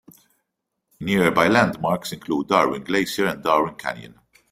Nearby landmarks include Darwin Glacier and Darwin Canyon.